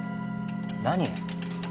何？